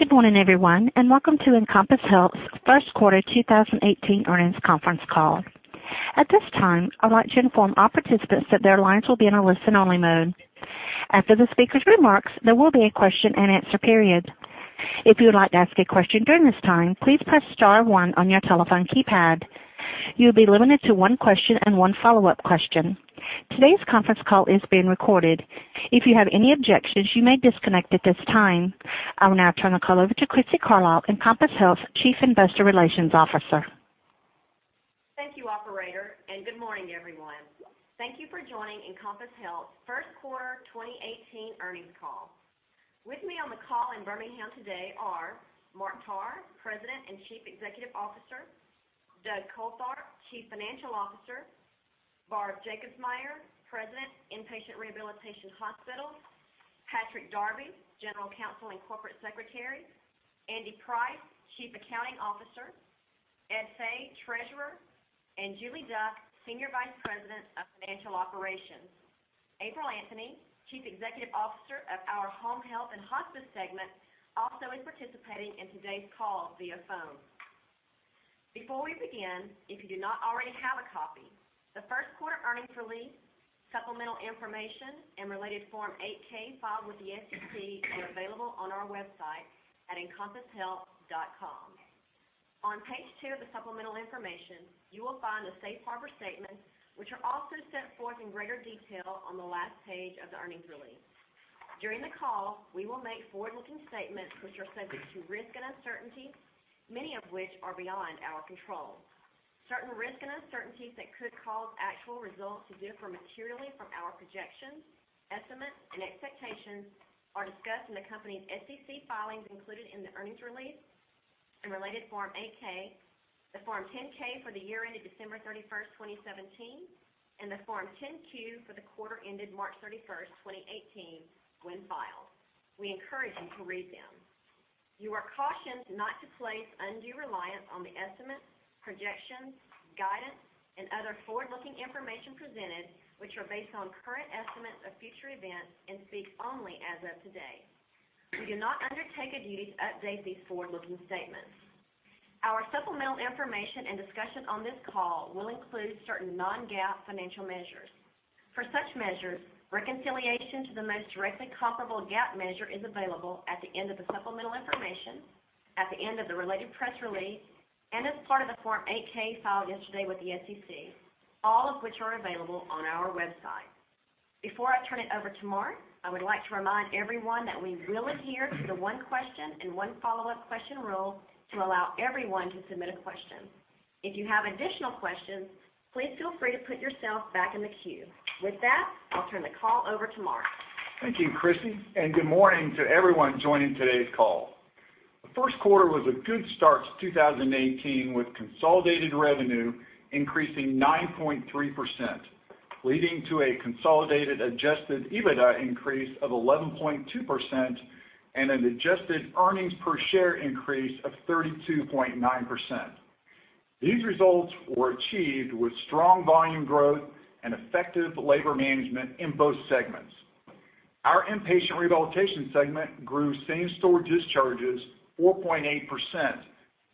Good morning, everyone, and welcome to Encompass Health's first quarter 2018 earnings conference call. At this time, I'd like to inform all participants that their lines will be in a listen-only mode. After the speakers' remarks, there will be a question-and-answer period. If you would like to ask a question during this time, please press star one on your telephone keypad. You will be limited to one question and one follow-up question. Today's conference call is being recorded. If you have any objections, you may disconnect at this time. I will now turn the call over to Crissy Carlisle, Encompass Health's Chief Investor Relations Officer. Thank you, operator, and good morning, everyone. Thank you for joining Encompass Health's first quarter 2018 earnings call. With me on the call in Birmingham today are Mark Tarr, President and Chief Executive Officer, Doug Coltharp, Chief Financial Officer, Barb Jacobsmeyer, President, Inpatient Rehabilitation Hospitals, Patrick Darby, General Counsel and Corporate Secretary, Andy Price, Chief Accounting Officer, Edmund Fay, Treasurer, and Julie Duck, Senior Vice President of Financial Operations. April Anthony, Chief Executive Officer of our Home Health and Hospice segment, also is participating in today's call via phone. Before we begin, if you do not already have a copy, the first quarter earnings release, supplemental information, and related Form 8-K filed with the SEC are available on our website at encompasshealth.com. On page two of the supplemental information, you will find the safe harbor statement, which are also set forth in greater detail on the last page of the earnings release. During the call, we will make forward-looking statements which are subject to risk and uncertainty, many of which are beyond our control. Certain risks and uncertainties that could cause actual results to differ materially from our projections, estimates, and expectations are discussed in the company's SEC filings included in the earnings release and related Form 8-K, the Form 10-K for the year ended December 31st, 2017, and the Form 10-Q for the quarter ended March 31st, 2018, when filed. We encourage you to read them. You are cautioned not to place undue reliance on the estimates, projections, guidance, and other forward-looking information presented, which are based on current estimates of future events and speak only as of today. We do not undertake a duty to update these forward-looking statements. Our supplemental information and discussion on this call will include certain non-GAAP financial measures. For such measures, reconciliation to the most directly comparable GAAP measure is available at the end of the supplemental information, at the end of the related press release, and as part of the Form 8-K filed yesterday with the SEC, all of which are available on our website. Before I turn it over to Mark, I would like to remind everyone that we will adhere to the one question and one follow-up question rule to allow everyone to submit a question. If you have additional questions, please feel free to put yourself back in the queue. With that, I will turn the call over to Mark. Thank you, Crissy, and good morning to everyone joining today's call. The first quarter was a good start to 2018, with consolidated revenue increasing 9.3%, leading to a consolidated adjusted EBITDA increase of 11.2% and an adjusted earnings per share increase of 32.9%. These results were achieved with strong volume growth and effective labor management in both segments. Our inpatient rehabilitation segment grew same-store discharges 4.8%,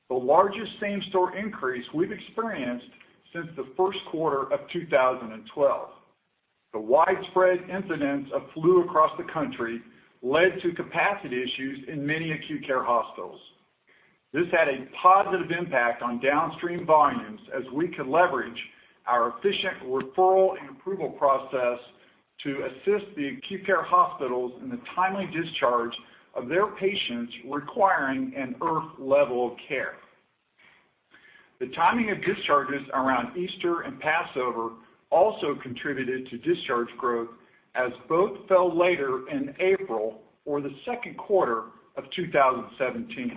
the largest same-store increase we've experienced since the first quarter of 2012. The widespread incidence of flu across the country led to capacity issues in many acute care hospitals. This had a positive impact on downstream volumes as we could leverage our efficient referral and approval process to assist the acute care hospitals in the timely discharge of their patients requiring an IRF level of care. The timing of discharges around Easter and Passover also contributed to discharge growth, as both fell later in April or the second quarter of 2017.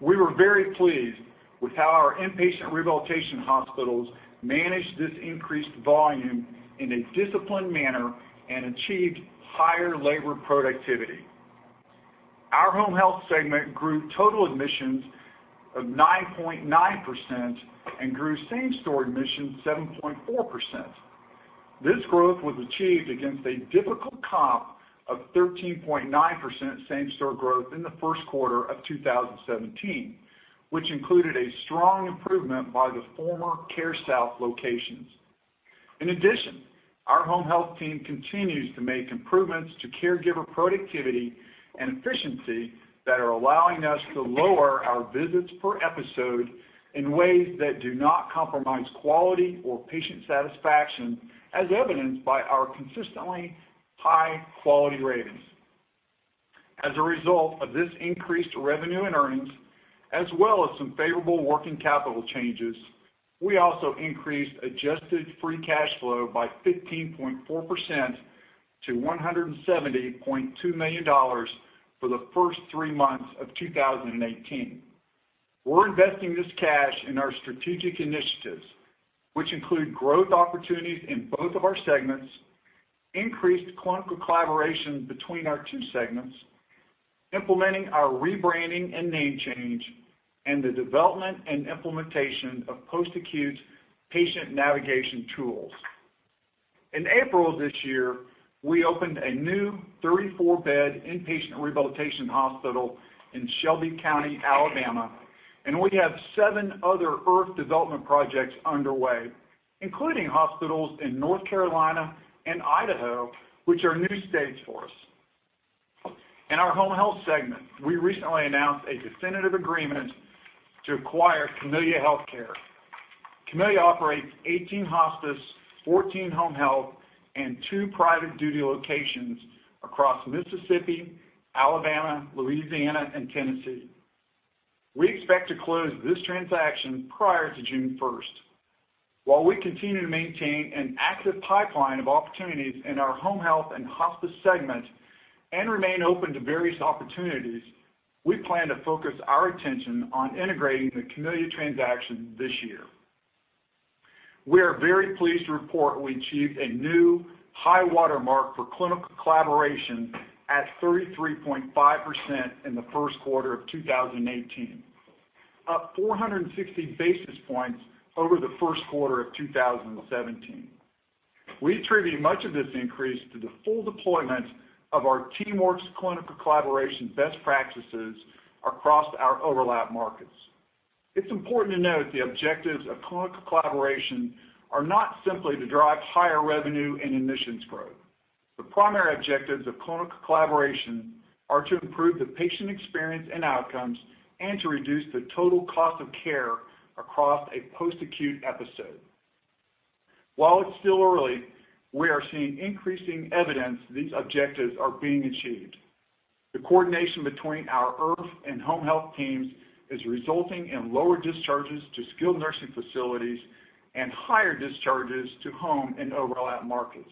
We were very pleased with how our inpatient rehabilitation hospitals managed this increased volume in a disciplined manner and achieved higher labor productivity. Our home health segment grew total admissions of 9.9% and grew same-store admissions 7.4%. This growth was achieved against a difficult comp of 13.9% same-store growth in the first quarter of 2017, which included a strong improvement by the former CareSouth locations. In addition, our home health team continues to make improvements to caregiver productivity and efficiency that are allowing us to lower our visits per episode in ways that do not compromise quality or patient satisfaction, as evidenced by our consistently high quality ratings. As a result of this increased revenue and earnings, as well as some favorable working capital changes, we also increased adjusted free cash flow by 15.4% to $170.2 million for the first three months of 2018. We're investing this cash in our strategic initiatives, which include growth opportunities in both of our segments, increased clinical collaboration between our two segments, implementing our rebranding and name change, and the development and implementation of post-acute patient navigation tools. In April of this year, we opened a new 34-bed inpatient rehabilitation hospital in Shelby County, Alabama, and we have seven other IRF development projects underway, including hospitals in North Carolina and Idaho, which are new states for us. In our home health segment, we recently announced a definitive agreement to acquire Camellia Healthcare. Camellia operates 18 hospice, 14 home health, and two private duty locations across Mississippi, Alabama, Louisiana, and Tennessee. We expect to close this transaction prior to June 1st. While we continue to maintain an active pipeline of opportunities in our home health and hospice segment and remain open to various opportunities, we plan to focus our attention on integrating the Camellia transaction this year. We are very pleased to report we achieved a new high watermark for clinical collaboration at 33.5% in the first quarter of 2018, up 460 basis points over the first quarter of 2017. We attribute much of this increase to the full deployment of our TeamWorks clinical collaboration best practices across our overlap markets. It's important to note the objectives of clinical collaboration are not simply to drive higher revenue and admissions growth. The primary objectives of clinical collaboration are to improve the patient experience and outcomes and to reduce the total cost of care across a post-acute episode. While it's still early, we are seeing increasing evidence these objectives are being achieved. The coordination between our IRF and home health teams is resulting in lower discharges to SNFs and higher discharges to home and overlap markets.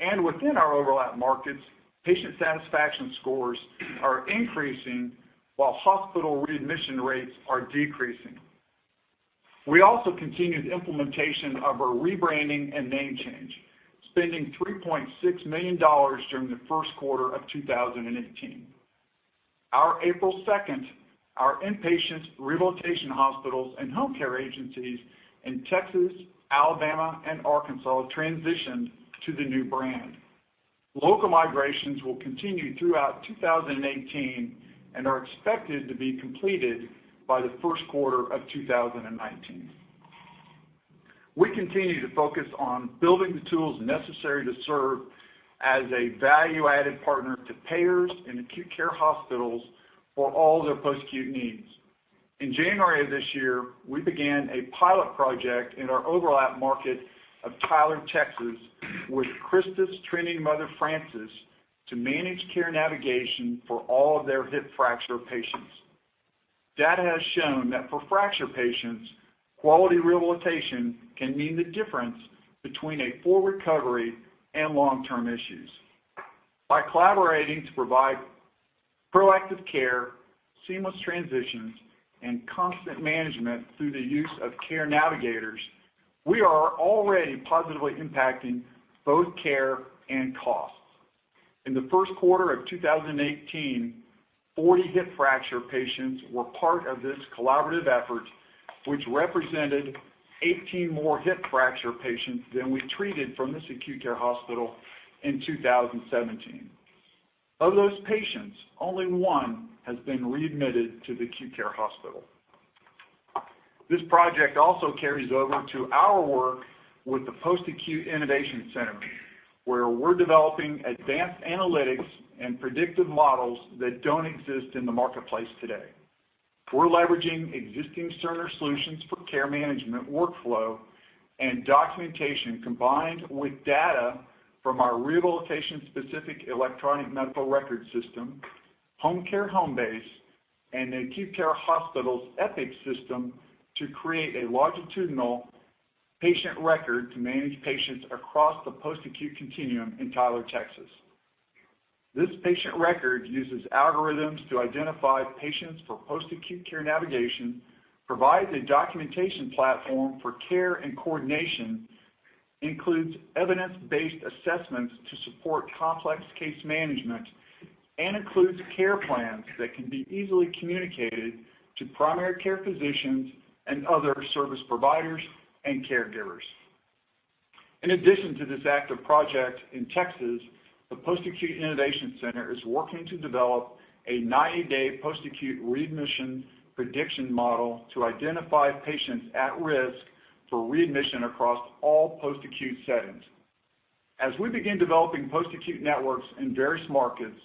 Within our overlap markets, patient satisfaction scores are increasing while hospital readmission rates are decreasing. We also continued implementation of our rebranding and name change, spending $3.6 million during the first quarter of 2018. On April 2nd, our inpatient rehabilitation hospitals and home care agencies in Texas, Alabama, and Arkansas transitioned to the new brand. Local migrations will continue throughout 2018 and are expected to be completed by the first quarter of 2019. We continue to focus on building the tools necessary to serve as a value-added partner to payers and acute care hospitals for all their post-acute needs. In January of this year, we began a pilot project in our overlap market of Tyler, Texas, with CHRISTUS Trinity Mother Frances to manage care navigation for all of their hip fracture patients. Data has shown that for fracture patients, quality rehabilitation can mean the difference between a full recovery and long-term issues. By collaborating to provide proactive care, seamless transitions, and constant management through the use of care navigators, we are already positively impacting both care and costs. In the first quarter of 2018, 40 hip fracture patients were part of this collaborative effort, which represented 18 more hip fracture patients than we treated from this acute care hospital in 2017. Of those patients, only one has been readmitted to the acute care hospital. This project also carries over to our work with the Post-Acute Innovation Center, where we're developing advanced analytics and predictive models that don't exist in the marketplace today. We're leveraging existing Cerner solutions for care management workflow and documentation, combined with data from our rehabilitation-specific electronic medical record system, Homecare Homebase, and the acute care hospital's Epic system to create a longitudinal patient record to manage patients across the post-acute continuum in Tyler, Texas. This patient record uses algorithms to identify patients for post-acute care navigation, provides a documentation platform for care and coordination, includes evidence-based assessments to support complex case management, and includes care plans that can be easily communicated to primary care physicians and other service providers and caregivers. In addition to this active project in Texas, the Post-Acute Innovation Center is working to develop a 90-day post-acute readmission prediction model to identify patients at risk for readmission across all post-acute settings. We begin developing post-acute networks in various markets,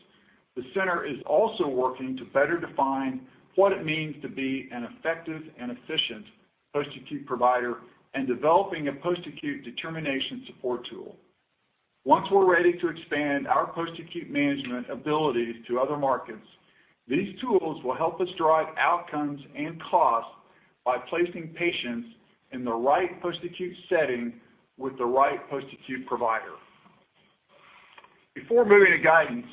the center is also working to better define what it means to be an effective and efficient post-acute provider and developing a post-acute determination support tool. Once we're ready to expand our post-acute management abilities to other markets, these tools will help us drive outcomes and costs by placing patients in the right post-acute setting with the right post-acute provider. Before moving to guidance,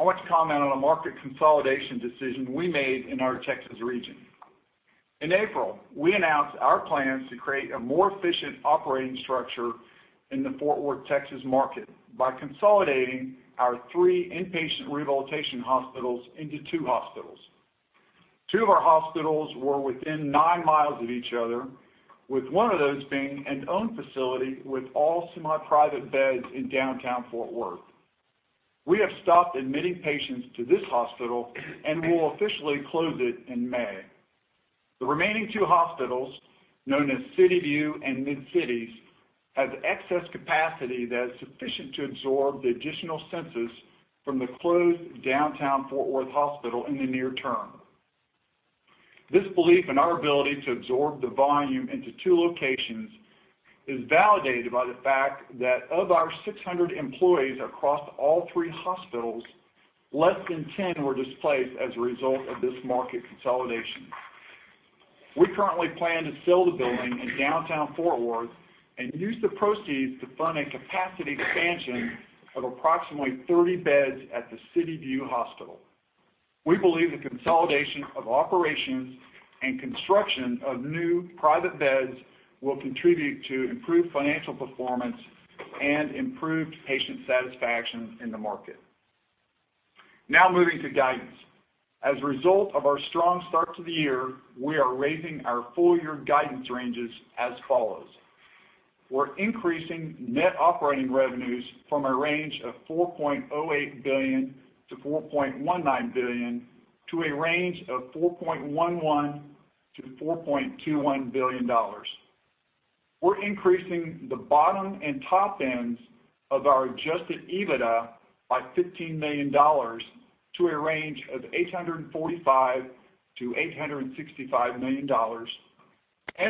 I want to comment on a market consolidation decision we made in our Texas region. In April, we announced our plans to create a more efficient operating structure in the Fort Worth, Texas, market by consolidating our three inpatient rehabilitation hospitals into two hospitals. Two of our hospitals were within 9 miles of each other, with one of those being an owned facility with all semi-private beds in downtown Fort Worth. We have stopped admitting patients to this hospital and will officially close it in May. The remaining two hospitals, known as Cityview and Mid-Cities, have excess capacity that is sufficient to absorb the additional census from the closed downtown Fort Worth hospital in the near term. This belief in our ability to absorb the volume into two locations is validated by the fact that of our 600 employees across all three hospitals, less than 10 were displaced as a result of this market consolidation. We currently plan to sell the building in downtown Fort Worth and use the proceeds to fund a capacity expansion of approximately 30 beds at the Cityview hospital. We believe the consolidation of operations and construction of new private beds will contribute to improved financial performance and improved patient satisfaction in the market. Now moving to guidance. As a result of our strong start to the year, we are raising our full-year guidance ranges as follows. We're increasing net operating revenues from a range of $4.08 billion-$4.19 billion to a range of $4.11 billion-$4.21 billion. We're increasing the bottom and top ends of our adjusted EBITDA by $15 million to a range of $845 million-$865 million.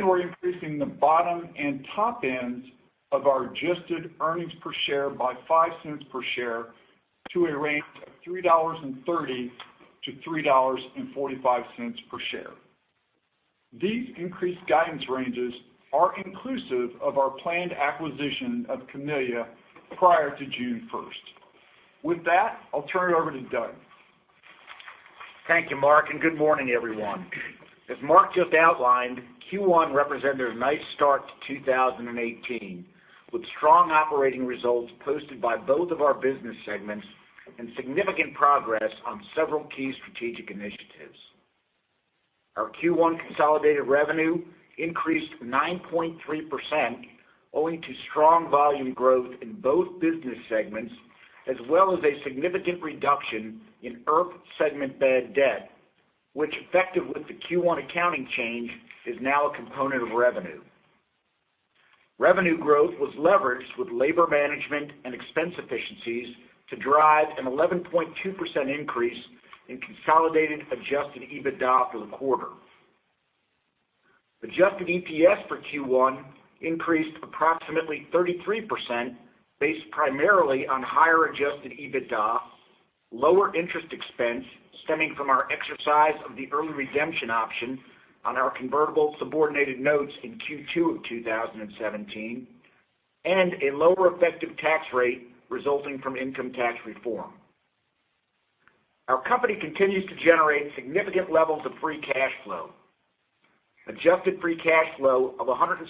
We're increasing the bottom and top ends of our adjusted EPS by $0.05 per share to a range of $3.30-$3.45 per share. These increased guidance ranges are inclusive of our planned acquisition of Camellia prior to June 1st. With that, I'll turn it over to Doug. Thank you, Mark, and good morning, everyone. As Mark just outlined, Q1 represented a nice start to 2018, with strong operating results posted by both of our business segments and significant progress on several key strategic initiatives. Our Q1 consolidated revenue increased 9.3%, owing to strong volume growth in both business segments, as well as a significant reduction in IRF segment bad debt, which effective with the Q1 accounting change, is now a component of revenue. Revenue growth was leveraged with labor management and expense efficiencies to drive an 11.2% increase in consolidated adjusted EBITDA for the quarter. Adjusted EPS for Q1 increased approximately 33%, based primarily on higher adjusted EBITDA, lower interest expense stemming from our exercise of the early redemption option on our convertible subordinated notes in Q2 of 2017, and a lower effective tax rate resulting from income tax reform. Our company continues to generate significant levels of free cash flow. Adjusted free cash flow of $170.2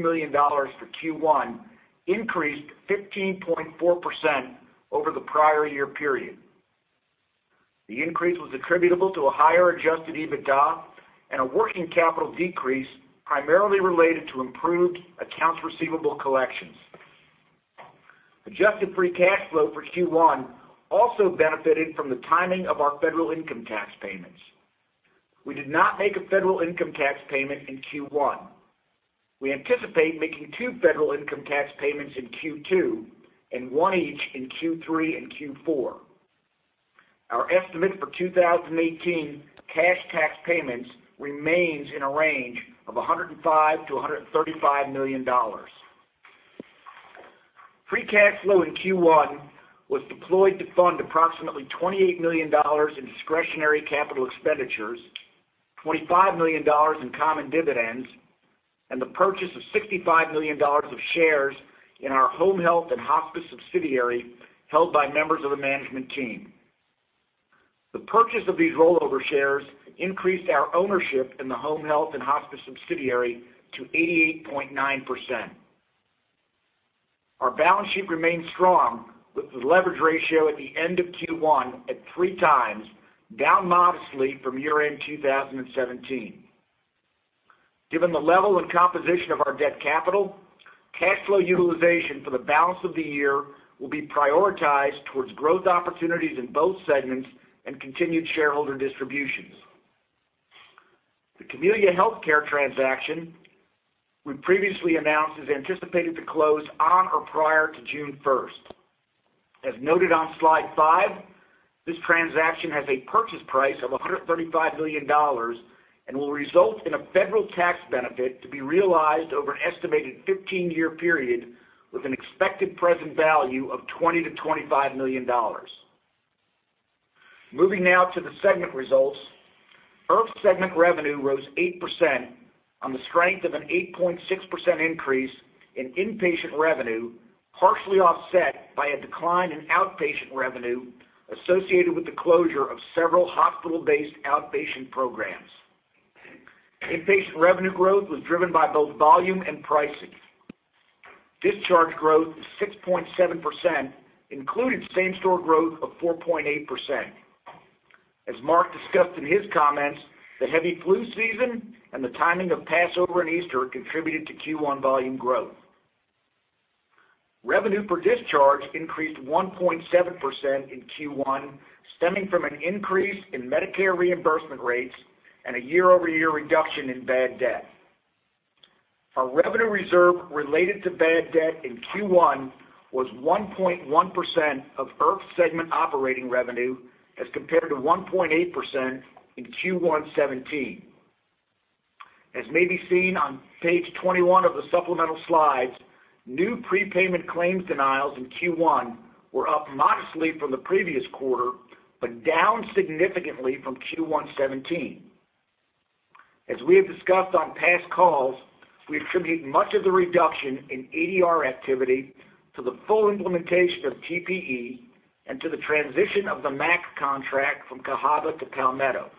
million for Q1 increased 15.4% over the prior year period. The increase was attributable to a higher adjusted EBITDA and a working capital decrease primarily related to improved accounts receivable collections. Adjusted free cash flow for Q1 also benefited from the timing of our federal income tax payments. We did not make a federal income tax payment in Q1. We anticipate making two federal income tax payments in Q2 and one each in Q3 and Q4. Our estimate for 2018 cash tax payments remains in a range of $105 million-$135 million. Free cash flow in Q1 was deployed to fund approximately $28 million in discretionary capital expenditures, $25 million in common dividends, and the purchase of $65 million of shares in our home health and hospice subsidiary held by members of the management team. The purchase of these rollover shares increased our ownership in the home health and hospice subsidiary to 88.9%. Our balance sheet remains strong with the leverage ratio at the end of Q1 at 3 times, down modestly from year-end 2017. Given the level and composition of our debt capital, cash flow utilization for the balance of the year will be prioritized towards growth opportunities in both segments and continued shareholder distributions. The Camellia Healthcare transaction we previously announced is anticipated to close on or prior to June 1st. As noted on slide five, this transaction has a purchase price of $135 million and will result in a federal tax benefit to be realized over an estimated 15-year period with an expected present value of $20 million-$25 million. Moving now to the segment results. IRF segment revenue rose 8% on the strength of an 8.6% increase in inpatient revenue, partially offset by a decline in outpatient revenue associated with the closure of several hospital-based outpatient programs. Inpatient revenue growth was driven by both volume and pricing. Discharge growth was 6.7%, including same-store growth of 4.8%. As Mark discussed in his comments, the heavy flu season and the timing of Passover and Easter contributed to Q1 volume growth. Revenue per discharge increased 1.7% in Q1, stemming from an increase in Medicare reimbursement rates and a year-over-year reduction in bad debt. Our revenue reserve related to bad debt in Q1 was 1.1% of IRF segment operating revenue as compared to 1.8% in Q1 2017. As may be seen on page 21 of the supplemental slides, new prepayment claims denials in Q1 were up modestly from the previous quarter, but down significantly from Q1 2017. As we have discussed on past calls, we attribute much of the reduction in ADR activity to the full implementation of TPE and to the transition of the MAC contract from Cahaba to Palmetto.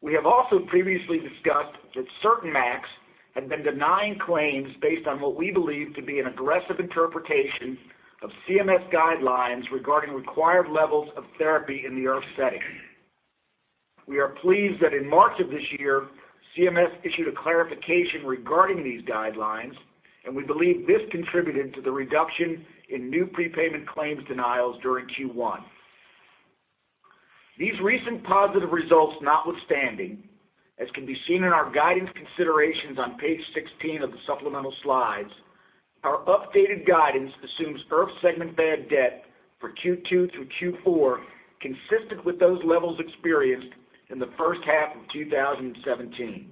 We have also previously discussed that certain MACs had been denying claims based on what we believe to be an aggressive interpretation of CMS guidelines regarding required levels of therapy in the IRF setting. We are pleased that in March of this year, CMS issued a clarification regarding these guidelines, and we believe this contributed to the reduction of new prepayment claims denials during Q1. These recent positive results notwithstanding, as can be seen in our guidance considerations on page 16 of the supplemental slides, our updated guidance assumes IRF segment bad debt for Q2 through Q4, consistent with those levels experienced in the first half of 2017.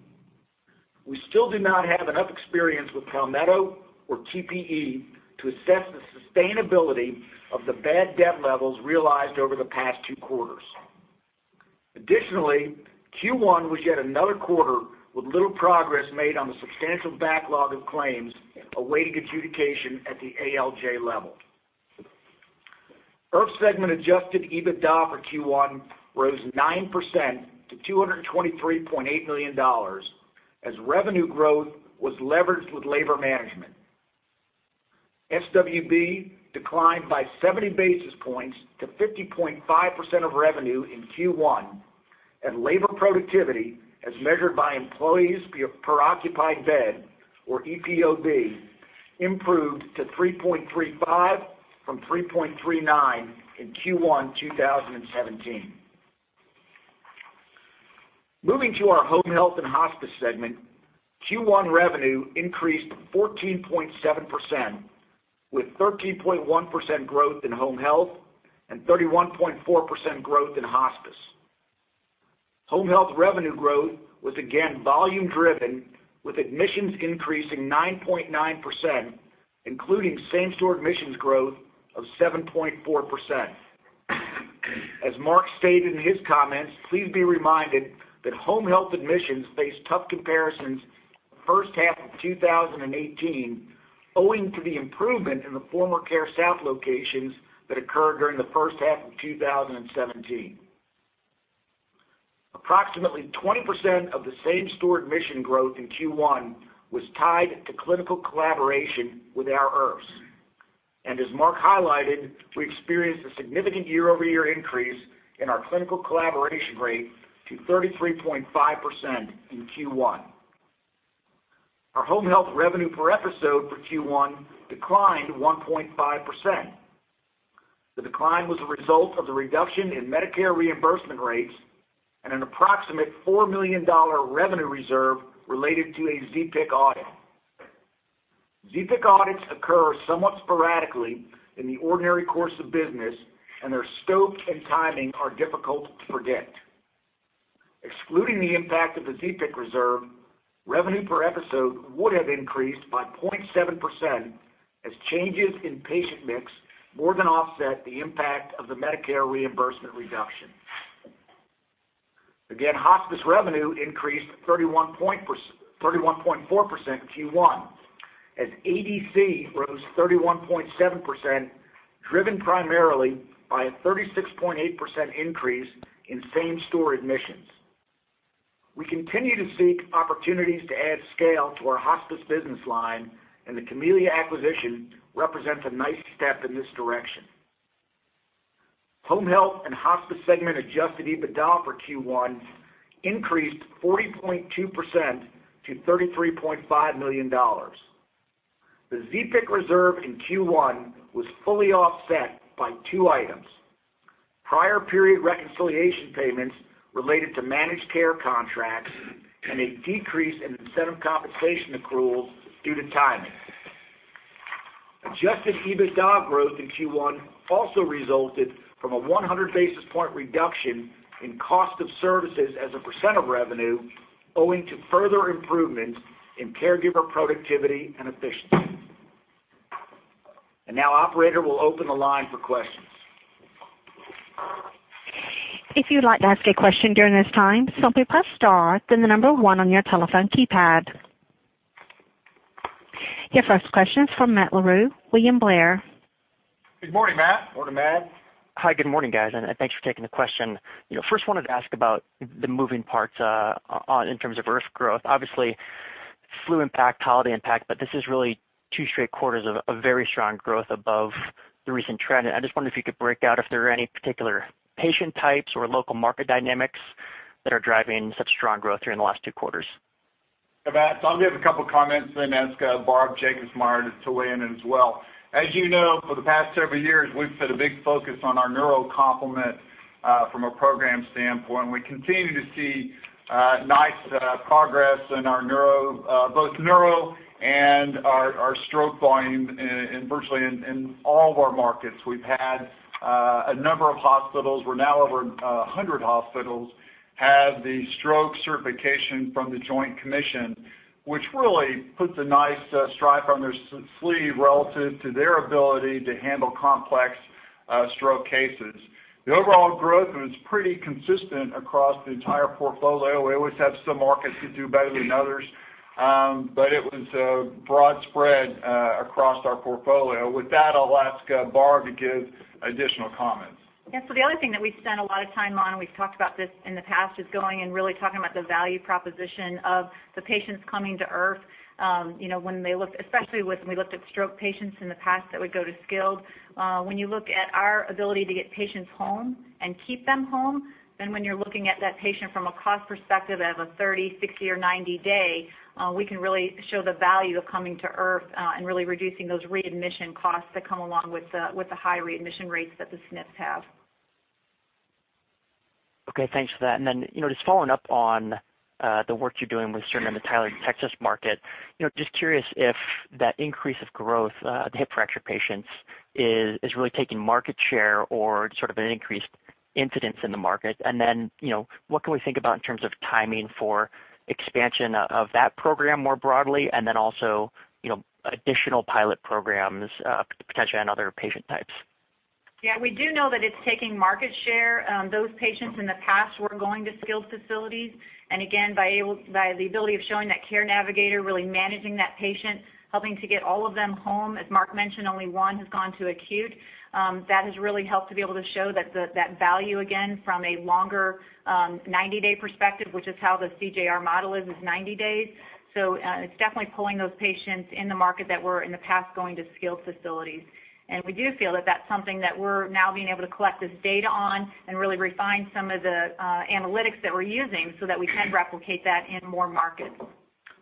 We still do not have enough experience with Palmetto or TPE to assess the sustainability of the bad debt levels realized over the past two quarters. Additionally, Q1 was yet another quarter with little progress made on the substantial backlog of claims awaiting adjudication at the ALJ level. IRF segment adjusted EBITDA for Q1 rose 9% to $223.8 million as revenue growth was leveraged with labor management. SWB declined by 70 basis points to 50.5% of revenue in Q1, and labor productivity, as measured by employees per occupied bed, or EPOB, improved to 3.35 from 3.39 in Q1 2017. Moving to our home health and hospice segment, Q1 revenue increased 14.7%, with 13.1% growth in home health and 31.4% growth in hospice. Home health revenue growth was again volume driven, with admissions increasing 9.9%, including same-store admissions growth of 7.4%. As Mark stated in his comments, please be reminded that home health admissions face tough comparisons the first half of 2018, owing to the improvement in the former CareSouth locations that occurred during the first half of 2017. Approximately 20% of the same-store admission growth in Q1 was tied to clinical collaboration with our IRFs. As Mark highlighted, we experienced a significant year-over-year increase in our clinical collaboration rate to 33.5% in Q1. Our home health revenue per episode for Q1 declined 1.5%. The decline was a result of the reduction in Medicare reimbursement rates and an approximate $4 million revenue reserve related to a ZPIC audit. ZPIC audits occur somewhat sporadically in the ordinary course of business, their scope and timing are difficult to predict. Excluding the impact of the ZPIC reserve, revenue per episode would have increased by 0.7%, as changes in patient mix more than offset the impact of the Medicare reimbursement reduction. Hospice revenue increased 31.4% in Q1, as ADC rose 31.7%, driven primarily by a 36.8% increase in same-store admissions. We continue to seek opportunities to add scale to our hospice business line, the Camellia acquisition represents a nice step in this direction. Home health and hospice segment adjusted EBITDA for Q1 increased 40.2% to $33.5 million. The ZPIC reserve in Q1 was fully offset by two items: prior period reconciliation payments related to managed care contracts and a decrease in incentive compensation accruals due to timing. Adjusted EBITDA growth in Q1 also resulted from a 100 basis point reduction in cost of services as a % of revenue, owing to further improvements in caregiver productivity and efficiency. Now, operator, we'll open the line for questions. If you would like to ask a question during this time, simply press star then the number one on your telephone keypad. Your first question is from Matt Larew, William Blair. Good morning, Matt. Morning, Matt. Hi, good morning, guys, and thanks for taking the question. First, wanted to ask about the moving parts in terms of IRF growth. Obviously, flu impact, holiday impact, but this is really two straight quarters of very strong growth above the recent trend. I just wondered if you could break out if there are any particular patient types or local market dynamics that are driving such strong growth here in the last two quarters. Hey, Matt. I'll give a couple comments, then ask Barb Jacobsmeyer to weigh in as well. As you know, for the past several years, we've put a big focus on our neuro complement, from a program standpoint. We continue to see nice progress in both neuro and our stroke volume, virtually in all of our markets. We've had a number of hospitals, we're now over 100 hospitals, have the stroke certification from The Joint Commission, which really puts a nice stripe on their sleeve relative to their ability to handle complex stroke cases. The overall growth was pretty consistent across the entire portfolio. We always have some markets that do better than others, but it was broad spread across our portfolio. With that, I'll ask Barb to give additional comments. Yeah, the other thing that we've spent a lot of time on, and we've talked about this in the past, is going and really talking about the value proposition of the patients coming to IRF. Especially when we looked at stroke patients in the past that would go to skilled. When you look at our ability to get patients home and keep them home, then when you're looking at that patient from a cost perspective as a 30, 60 or 90 day, we can really show the value of coming to IRF, and really reducing those readmission costs that come along with the high readmission rates that the SNFs have. Okay, thanks for that. Just following up on the work you're doing with Cerner in the Tyler, Texas market. Just curious if that increase of growth, the hip fracture patients, is really taking market share or sort of an increased incidence in the market. What can we think about in terms of timing for expansion of that program more broadly, also, additional pilot programs, potentially on other patient types? Yeah, we do know that it's taking market share. Those patients in the past were going to skilled facilities. Again, by the ability of showing that care navigator, really managing that patient, helping to get all of them home, as Mark mentioned, only one has gone to acute. That has really helped to be able to show that value again from a longer, 90-day perspective, which is how the CJR model is 90 days. It's definitely pulling those patients in the market that were in the past going to skilled facilities. We do feel that that's something that we're now being able to collect this data on and really refine some of the analytics that we're using so that we can replicate that in more markets.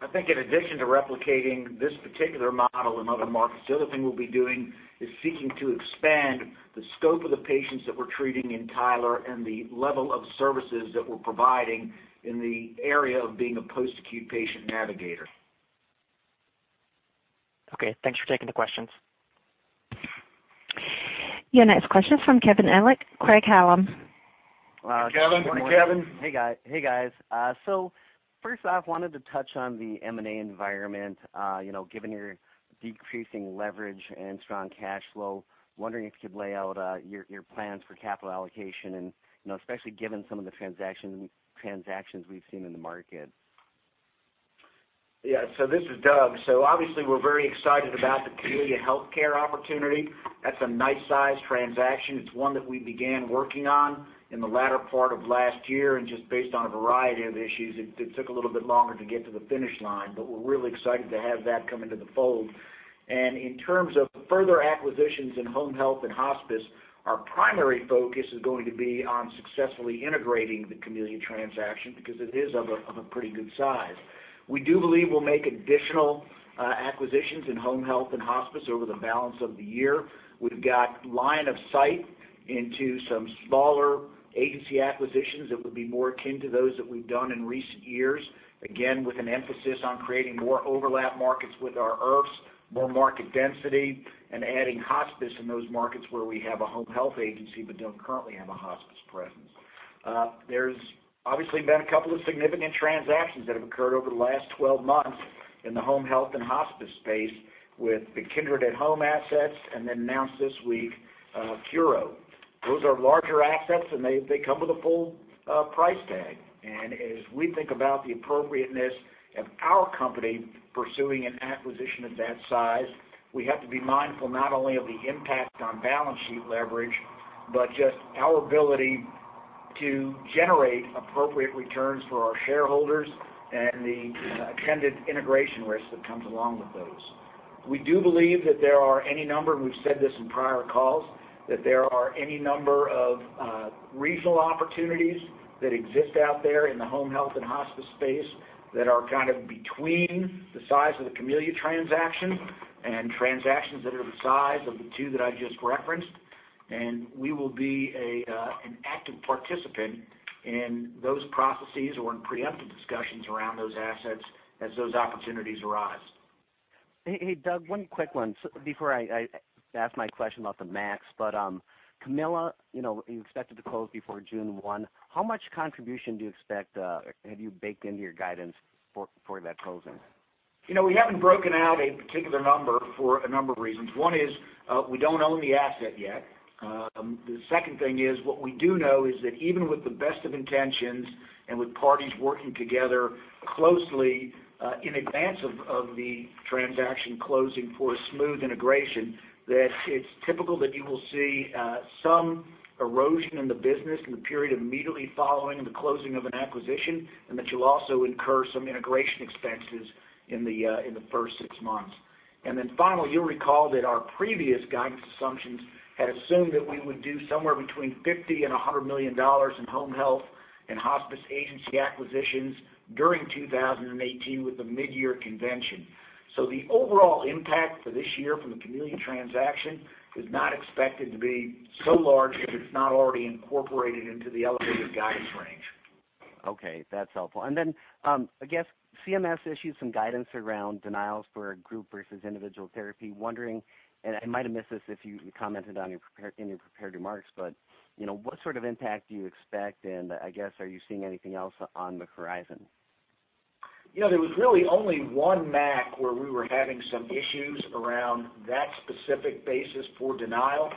I think in addition to replicating this particular model in other markets, the other thing we'll be doing is seeking to expand the scope of the patients that we're treating in Tyler and the level of services that we're providing in the area of being a post-acute patient navigator. Okay. Thanks for taking the questions. Your next question is from Kevin Ellich, Craig-Hallum. Kevin. Good morning, Kevin. Hey, guys. First off, wanted to touch on the M&A environment. Given your decreasing leverage and strong cash flow, wondering if you could lay out your plans for capital allocation and especially given some of the transactions we've seen in the market. Yeah. This is Doug. Obviously we're very excited about the Camellia Healthcare opportunity. That's a nice size transaction. It's one that we began working on in the latter part of last year, and just based on a variety of issues, it took a little bit longer to get to the finish line, but we're really excited to have that come into the fold. In terms of further acquisitions in home health and hospice, our primary focus is going to be on successfully integrating the Camellia transaction because it is of a pretty good size. We do believe we'll make additional acquisitions in home health and hospice over the balance of the year. We've got line of sight into some smaller agency acquisitions that would be more akin to those that we've done in recent years. Again, with an emphasis on creating more overlap markets with our IRFs, more market density, and adding hospice in those markets where we have a home health agency, but don't currently have a hospice presence. There's obviously been a couple of significant transactions that have occurred over the last 12 months in the home health and hospice space with the Kindred at Home assets, and then announced this week, Curo. Those are larger assets, and they come with a full price tag. As we think about the appropriateness of our company pursuing an acquisition of that size, we have to be mindful not only of the impact on balance sheet leverage, but just our ability to generate appropriate returns for our shareholders and the attendant integration risk that comes along with those. We do believe that there are any number, and we've said this in prior calls, that there are any number of regional opportunities that exist out there in the home health and hospice space that are kind of between the size of the Camellia transaction and transactions that are the size of the two that I just referenced. We will be an active participant in those processes or in preemptive discussions around those assets as those opportunities arise. Hey, Doug, one quick one before I ask my question about the MACs, but Camellia, you expected to close before June 1. How much contribution have you baked into your guidance for that closing? We haven't broken out a particular number for a number of reasons. One is, we don't own the asset yet. The second thing is, what we do know is that even with the best of intentions and with parties working together closely in advance of the transaction closing for a smooth integration, that it's typical that you will see some erosion in the business in the period immediately following the closing of an acquisition, and that you'll also incur some integration expenses in the first six months. Finally, you'll recall that our previous guidance assumptions had assumed that we would do somewhere between $50 million-$100 million in home health and hospice agency acquisitions during 2018 with the mid-year convention. The overall impact for this year from the Camellia transaction is not expected to be so large that it's not already incorporated into the elevated guidance range. Okay, that's helpful. Then, I guess CMS issued some guidance around denials for group versus individual therapy. I am wondering, and I might have missed this if you commented in your prepared remarks, but what sort of impact do you expect, and I guess, are you seeing anything else on the horizon? There was really only one MAC where we were having some issues around that specific basis for denial.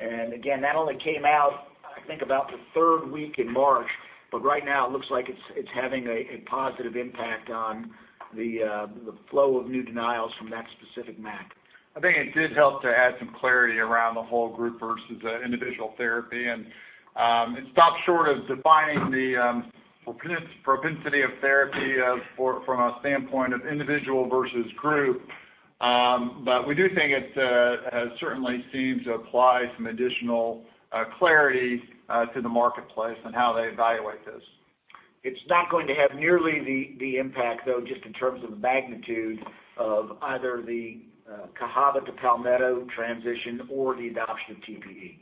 Again, that only came out, I think about the third week in March, but right now it looks like it's having a positive impact on the flow of new denials from that specific MAC. I think it did help to add some clarity around the whole group versus individual therapy, and it stopped short of defining the propensity of therapy from a standpoint of individual versus group. We do think it certainly seems to apply some additional clarity to the marketplace and how they evaluate this. It's not going to have nearly the impact, though, just in terms of the magnitude of either the Cahaba to Palmetto transition or the adoption of TPE.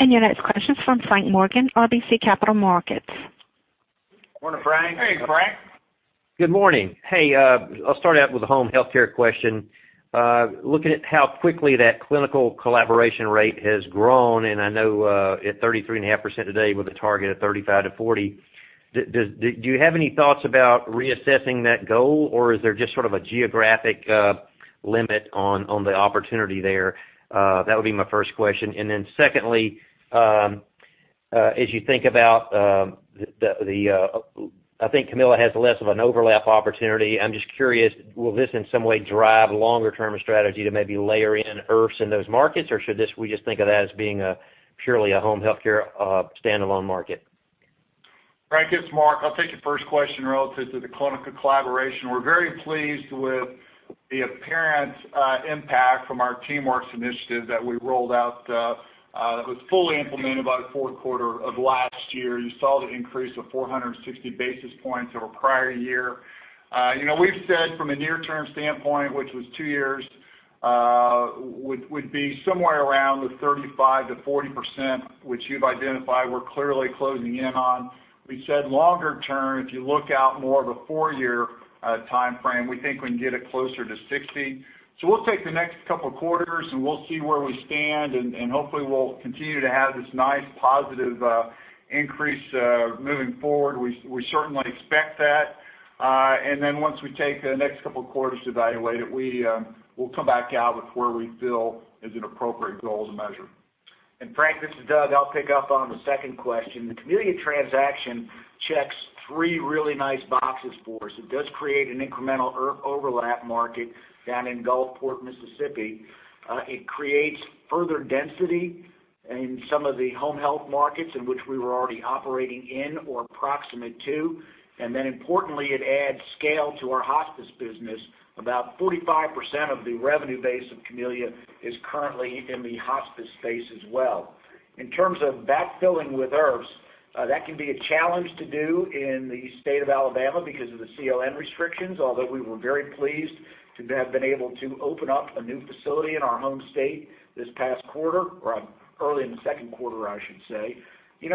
Your next question is from Frank Morgan, RBC Capital Markets. Morning, Frank. Hey, Frank. Good morning. I'll start out with a home healthcare question. Looking at how quickly that clinical collaboration rate has grown, I know at 33.5% today with a target of 35%-40%, do you have any thoughts about reassessing that goal, or is there just sort of a geographic limit on the opportunity there? That would be my first question. Secondly, as you think about, I think Camellia Healthcare has less of an overlap opportunity. I'm just curious, will this in some way drive longer term strategy to maybe layer in IRFs in those markets, or should we just think of that as being purely a home healthcare standalone market? Frank, it's Mark. I'll take your first question relative to the clinical collaboration. We're very pleased with the apparent impact from our TeamWorks initiative that we rolled out, that was fully implemented about the fourth quarter of last year. You saw the increase of 460 basis points over prior year. We've said from a near-term standpoint, which was two years, would be somewhere around the 35%-40%, which you've identified we're clearly closing in on. We said longer term, if you look out more of a four-year timeframe, we think we can get it closer to 60. We'll take the next couple of quarters, we'll see where we stand, and hopefully we'll continue to have this nice positive increase moving forward. We certainly expect that. Once we take the next couple of quarters to evaluate it, we'll come back out with where we feel is an appropriate goal to measure. Frank, this is Doug. I'll pick up on the second question. The Camellia Healthcare transaction checks three really nice boxes for us. It does create an incremental overlap market down in Gulfport, Mississippi. It creates further density in some of the home health markets in which we were already operating in or approximate to. Importantly, it adds scale to our hospice business. About 45% of the revenue base of Camellia Healthcare is currently in the hospice space as well. In terms of backfilling with IRFs, that can be a challenge to do in the state of Alabama because of the CON restrictions, although we were very pleased to have been able to open up a new facility in our home state this past quarter, or early in the second quarter, I should say.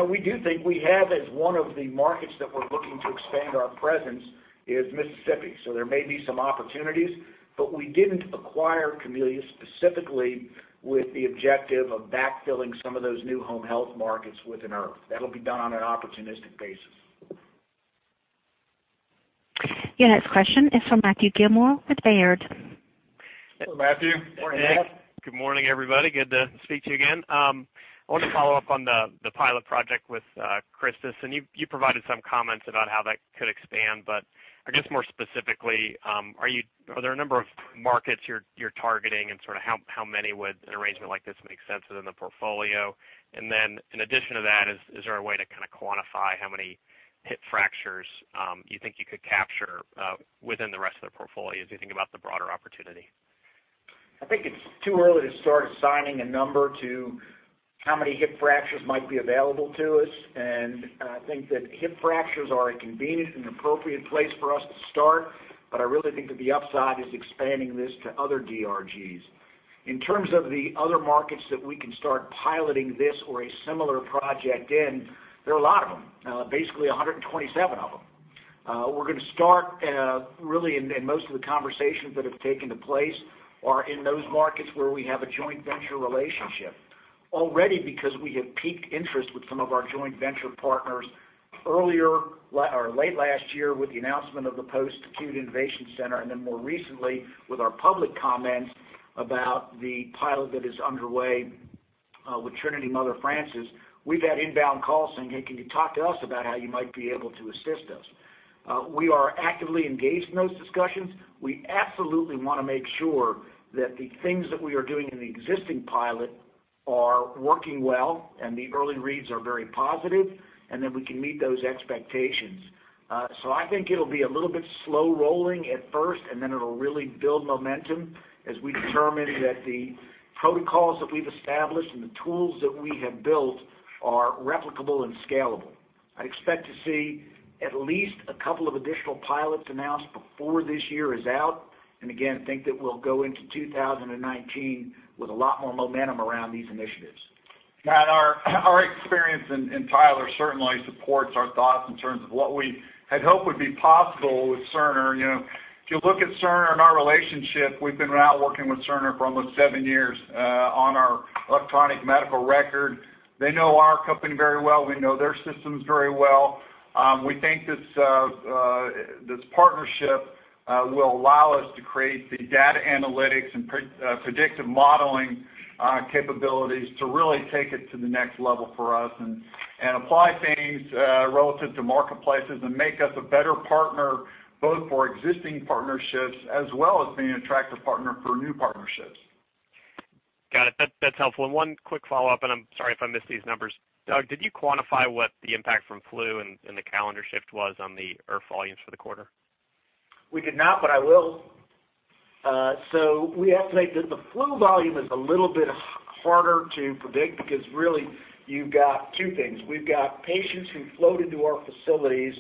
We do think we have as one of the markets that we're looking to expand our presence is Mississippi. There may be some opportunities, we didn't acquire Camellia specifically with the objective of backfilling some of those new home health markets with an IRF. That'll be done on an opportunistic basis. Your next question is from Matthew Gillmor with Baird. Hello, Matthew. Morning, Matt. Good morning, everybody. Good to speak to you again. I wanted to follow up on the pilot project with CHRISTUS Health, you provided some comments about how that could expand, I guess more specifically, are there a number of markets you're targeting and sort of how many would an arrangement like this make sense within the portfolio? In addition to that, is there a way to kind of quantify how many hip fractures you think you could capture within the rest of the portfolio as you think about the broader opportunity? I think it's too early to start assigning a number to how many hip fractures might be available to us. I think that hip fractures are a convenient and appropriate place for us to start, I really think that the upside is expanding this to other DRGs. In terms of the other markets that we can start piloting this or a similar project in, there are a lot of them. Basically, 127 of them. We're going to start really in most of the conversations that have taken place are in those markets where we have a joint venture relationship. Already because we have piqued interest with some of our joint venture partners earlier or late last year with the announcement of the Post-Acute Innovation Center, then more recently with our public comments about the pilot that is underway with Trinity Mother Frances. We've had inbound calls saying, "Hey, can you talk to us about how you might be able to assist us?" We are actively engaged in those discussions. We absolutely want to make sure that the things that we are doing in the existing pilot are working well, the early reads are very positive, that we can meet those expectations. I think it'll be a little bit slow-rolling at first, then it'll really build momentum as we determine that the protocols that we've established and the tools that we have built are replicable and scalable. I expect to see at least a couple of additional pilots announced before this year is out, again, think that we'll go into 2019 with a lot more momentum around these initiatives. Matt, our experience in Tyler certainly supports our thoughts in terms of what we had hoped would be possible with Cerner. If you look at Cerner and our relationship, we've been now working with Cerner for almost seven years on our electronic medical record. They know our company very well. We know their systems very well. We think this partnership will allow us to create the data analytics and predictive modeling capabilities to really take it to the next level for us and apply things relative to marketplaces and make us a better partner, both for existing partnerships as well as being an attractive partner for new partnerships. Got it. That's helpful. One quick follow-up, and I'm sorry if I missed these numbers. Doug, did you quantify what the impact from flu and the calendar shift was on the IRF volumes for the quarter? We did not, but I will. We estimate that the flu volume is a little bit harder to predict because really you've got two things. We've got patients who float into our facilities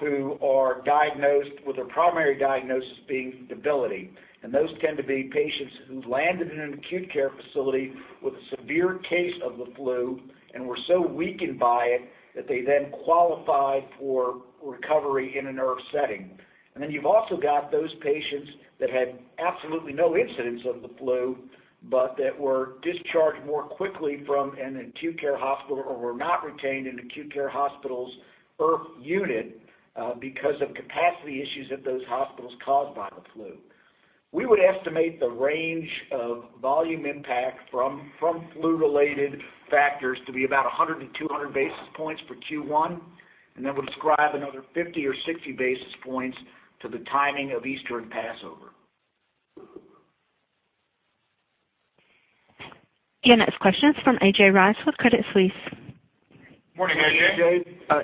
who are diagnosed with their primary diagnosis being debility, and those tend to be patients who landed in an acute care facility with a severe case of the flu and were so weakened by it that they then qualify for recovery in an IRF setting. Then you've also got those patients that had absolutely no incidence of the flu, but that were discharged more quickly from an acute care hospital or were not retained in acute care hospital's IRF unit because of capacity issues at those hospitals caused by the flu. We would estimate the range of volume impact from flu-related factors to be about 100 to 200 basis points for Q1, then would ascribe another 50 or 60 basis points to the timing of Easter and Passover. Your next question is from A.J. Rice with Credit Suisse. Morning, A.J. A.J.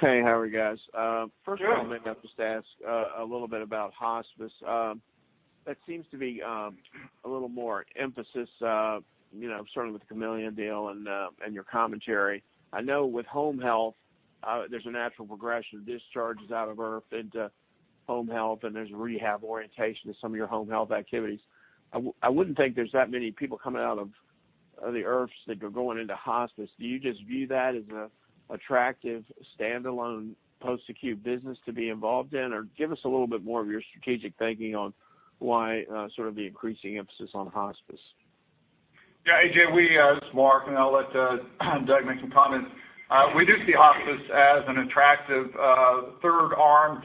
Hey, how are you guys? Good. I'm going to have just ask a little bit about hospice. That seems to be a little more emphasis, starting with the Camellia deal and your commentary. I know with home health, there's a natural progression of discharges out of IRF into home health, and there's a rehab orientation to some of your home health activities. I wouldn't think there's that many people coming out of the IRFs that are going into hospice. Do you just view that as an attractive standalone post-acute business to be involved in? Or give us a little bit more of your strategic thinking on why the increasing emphasis on hospice. A.J. This is Mark, and I'll let Doug make some comments. We do see hospice as an attractive third arm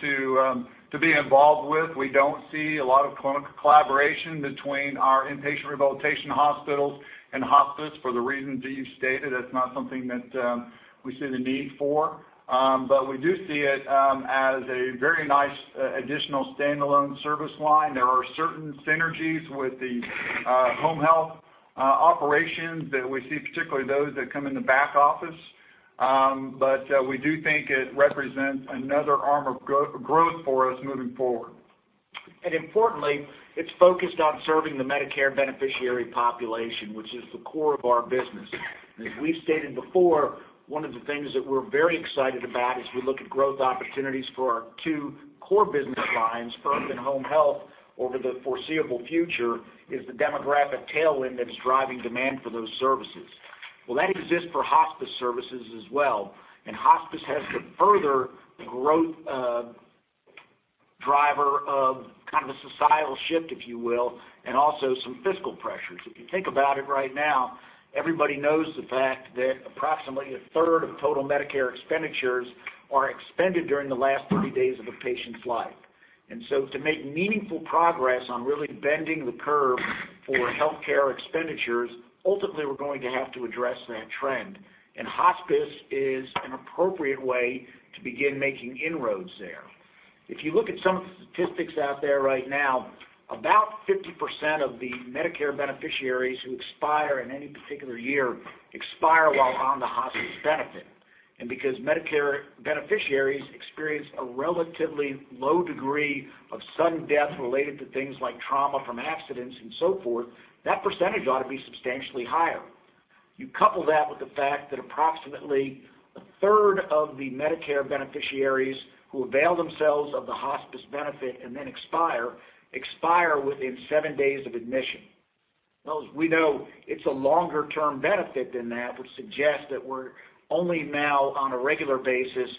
to be involved with. We don't see a lot of clinical collaboration between our inpatient rehabilitation hospitals and hospice for the reasons that you've stated. It's not something that we see the need for. We do see it as a very nice additional standalone service line. There are certain synergies with the home health operations that we see, particularly those that come in the back office. We do think it represents another arm of growth for us moving forward. Importantly, it's focused on serving the Medicare beneficiary population, which is the core of our business. As we've stated before, one of the things that we're very excited about as we look at growth opportunities for our two core business lines, IRF and home health, over the foreseeable future, is the demographic tailwind that is driving demand for those services. Well, that exists for hospice services as well, and hospice has the further growth driver of kind of a societal shift, if you will, and also some fiscal pressures. If you think about it right now, everybody knows the fact that approximately a third of total Medicare expenditures are expended during the last 30 days of a patient's life. To make meaningful progress on really bending the curve for healthcare expenditures, ultimately, we're going to have to address that trend, and hospice is an appropriate way to begin making inroads there. If you look at some of the statistics out there right now, about 50% of the Medicare beneficiaries who expire in any particular year while on the hospice benefit. Because Medicare beneficiaries experience a relatively low degree of sudden death related to things like trauma from accidents and so forth, that percentage ought to be substantially higher. You couple that with the fact that approximately a third of the Medicare beneficiaries who avail themselves of the hospice benefit and then expire within 7 days of admission. As we know, it's a longer-term benefit than that, which suggests that we're only now on a regular basis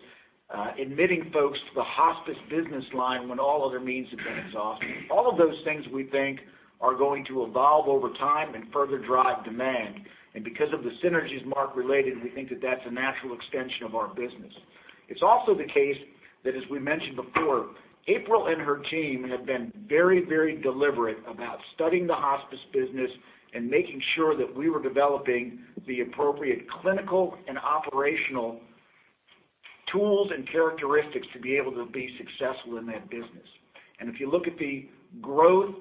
admitting folks to the hospice business line when all other means have been exhausted. All of those things we think are going to evolve over time and further drive demand. Because of the synergies Mark related, we think that that's a natural extension of our business. It's also the case that, as we mentioned before, April and her team have been very, very deliberate about studying the hospice business and making sure that we were developing the appropriate clinical and operational tools and characteristics to be able to be successful in that business. If you look at the growth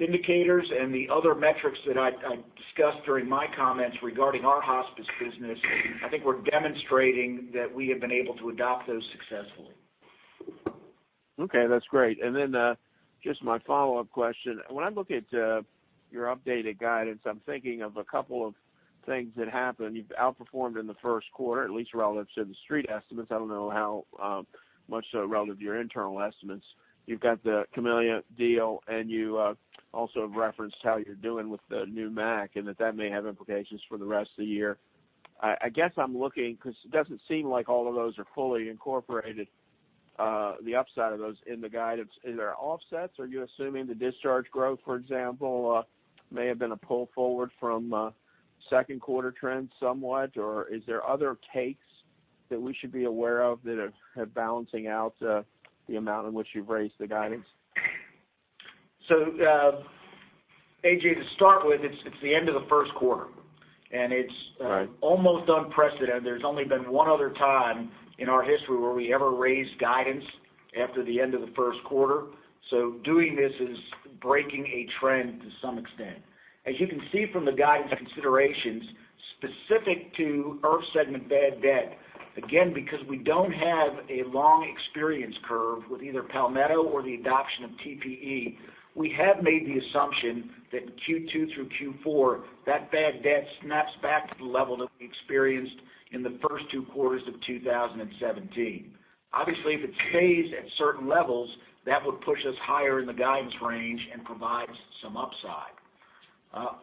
indicators and the other metrics that I discussed during my comments regarding our hospice business, I think we're demonstrating that we have been able to adopt those successfully. Okay, that's great. Then, just my follow-up question. When I look at your updated guidance, I'm thinking of a couple of things that happened. You've outperformed in the first quarter, at least relative to the Street estimates. I don't know how much so relative to your internal estimates. You've got the Camellia deal, and you also have referenced how you're doing with the new MAC, and that may have implications for the rest of the year. I guess I'm looking, because it doesn't seem like all of those are fully incorporated, the upside of those in the guidance. Is there offsets? Are you assuming the discharge growth, for example, may have been a pull forward from second quarter trends somewhat? Or are there other takes that we should be aware of that are balancing out the amount in which you've raised the guidance? A.J., to start with, it's the end of the first quarter. Right. It's almost unprecedented. There's only been one other time in our history where we ever raised guidance after the end of the first quarter. Doing this is breaking a trend to some extent. As you can see from the guidance considerations specific to IRF segment bad debt, again, because we don't have a long experience curve with either Palmetto or the adoption of TPE, we have made the assumption that Q2 through Q4, that bad debt snaps back to the level that we experienced in the first two quarters of 2017. Obviously, if it stays at certain levels, that would push us higher in the guidance range and provide some upside.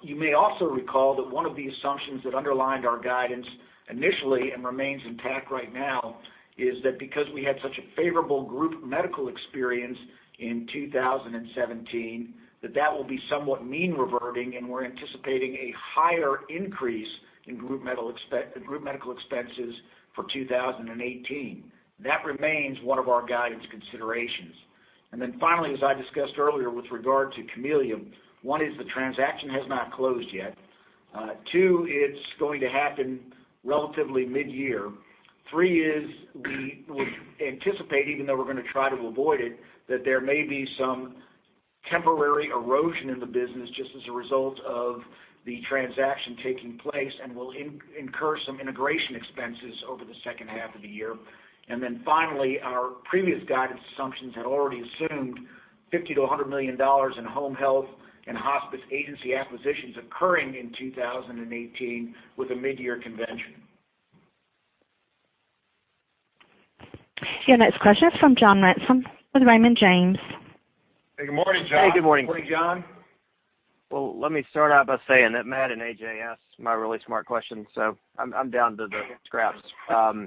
You may also recall that one of the assumptions that underlined our guidance initially and remains intact right now is that because we had such a favorable group medical experience in 2017, that that will be somewhat mean reverting, and we're anticipating a higher increase in group medical expenses for 2018. That remains one of our guidance considerations. Finally, as I discussed earlier with regard to Camellia, 1 is the transaction has not closed yet. 2, it's going to happen relatively mid-year. 3 is we would anticipate, even though we're going to try to avoid it, that there may be some temporary erosion in the business just as a result of the transaction taking place, and we'll incur some integration expenses over the second half of the year. Finally, our previous guidance assumptions had already assumed $50 million-$100 million in home health and hospice agency acquisitions occurring in 2018 with a mid-year convention. Your next question is from John Ransom with Raymond James. Hey, good morning, John. Hey, good morning. Let me start out by saying that Matt and A.J. asked my really smart question, so I'm down to the scraps. How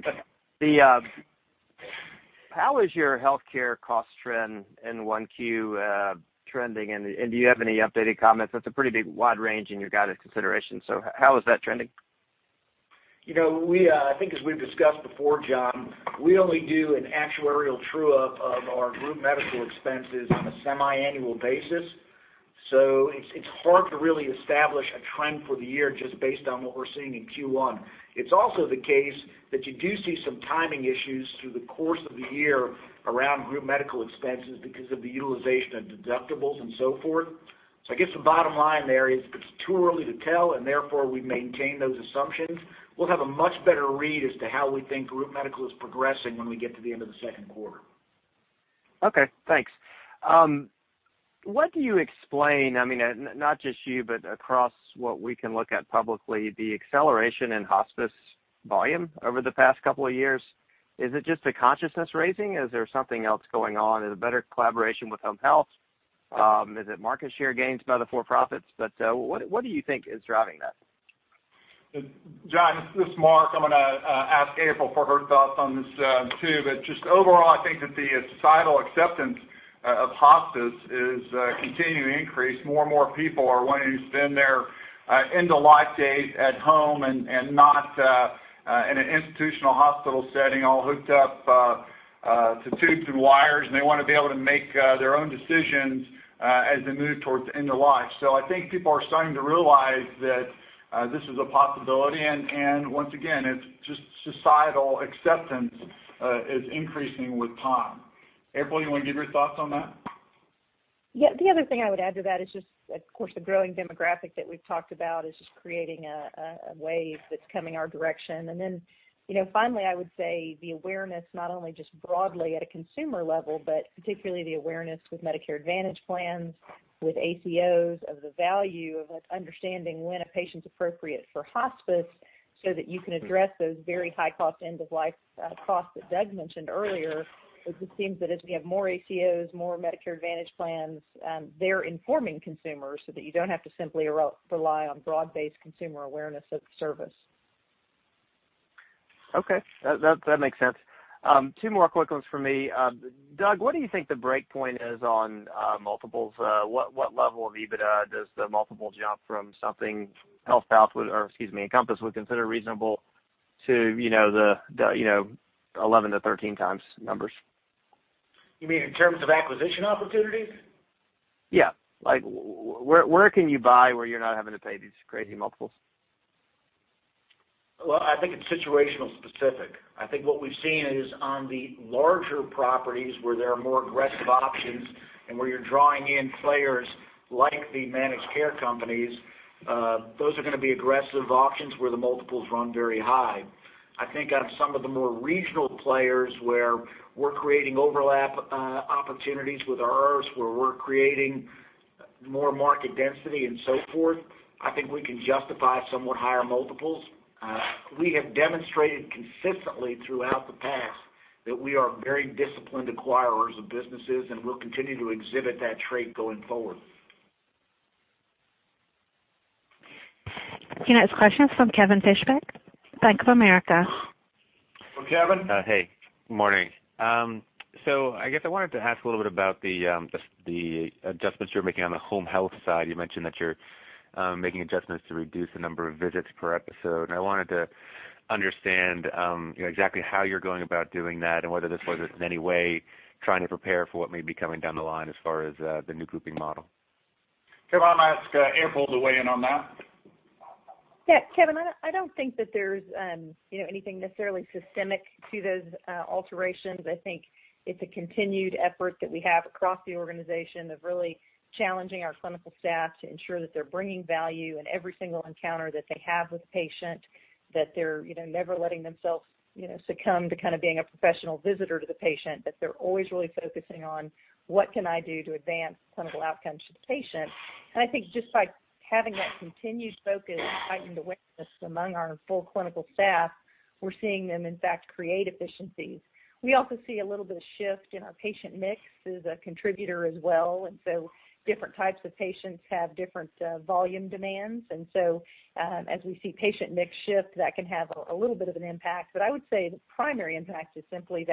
is your healthcare cost trend in 1Q trending, and do you have any updated comments? That's a pretty big wide range in your guided consideration, how is that trending? I think as we've discussed before, John, we only do an actuarial true-up of our group medical expenses on a semiannual basis. It's hard to really establish a trend for the year just based on what we're seeing in Q1. It's also the case that you do see some timing issues through the course of the year around group medical expenses because of the utilization of deductibles and so forth. I guess the bottom line there is it's too early to tell, and therefore, we maintain those assumptions. We'll have a much better read as to how we think group medical is progressing when we get to the end of the second quarter. Okay, thanks. What do you explain, not just you, but across what we can look at publicly, the acceleration in hospice volume over the past couple of years? Is it just a consciousness raising? Is there something else going on? Is it better collaboration with home health? Is it market share gains by the for-profits? What do you think is driving that? John, this is Mark. I'm going to ask April for her thoughts on this, too. Just overall, I think that the societal acceptance of hospice is continuing to increase. More and more people are wanting to spend their end-of-life days at home and not in an institutional hospital setting, all hooked up to tubes and wires, and they want to be able to make their own decisions as they move towards the end of life. I think people are starting to realize that this is a possibility, and once again, it's just societal acceptance is increasing with time. April, you want to give your thoughts on that? Yeah. The other thing I would add to that is just, of course, the growing demographic that we've talked about is just creating a wave that's coming our direction. Finally, I would say the awareness, not only just broadly at a consumer level, but particularly the awareness with Medicare Advantage plans, with ACOs of the value of understanding when a patient's appropriate for hospice so that you can address those very high cost end-of-life costs that Doug mentioned earlier. It just seems that as we have more ACOs, more Medicare Advantage plans, they're informing consumers so that you don't have to simply rely on broad-based consumer awareness of the service. Okay. That makes sense. Two more quick ones for me. Doug, what do you think the break point is on multiples? What level of EBITDA does the multiple jump from something Encompass would consider reasonable to the 11 to 13 times numbers? You mean in terms of acquisition opportunities? Yeah. Where can you buy where you're not having to pay these crazy multiples? Well, I think it's situational specific. I think what we've seen is on the larger properties where there are more aggressive options and where you're drawing in players like the managed care companies, those are going to be aggressive options where the multiples run very high. I think on some of the more regional players where we're creating overlap opportunities with IRFs, where we're creating more market density and so forth, I think we can justify somewhat higher multiples. We have demonstrated consistently throughout the past that we are very disciplined acquirers of businesses, and we'll continue to exhibit that trait going forward. The next question is from Kevin Fischbeck, Bank of America. Kevin. Hey, good morning. I guess I wanted to ask a little bit about the adjustments you're making on the home health side. You mentioned that you're making adjustments to reduce the number of visits per episode. I wanted to understand exactly how you're going about doing that and whether this was in any way trying to prepare for what may be coming down the line as far as the new grouping model. Kevin, I'll ask April to weigh in on that. Yeah, Kevin, I don't think that there's anything necessarily systemic to those alterations. I think it's a continued effort that we have across the organization of really challenging our clinical staff to ensure that they're bringing value in every single encounter that they have with a patient, that they're never letting themselves succumb to kind of being a professional visitor to the patient. They're always really focusing on. What can I do to advance clinical outcomes for the patient? I think just by having that continued focus and heightened awareness among our full clinical staff, we're seeing them, in fact, create efficiencies. We also see a little bit of shift in our patient mix as a contributor as well. Different types of patients have different volume demands, so as we see patient mix shift, that can have a little bit of an impact. I would say the primary impact is simply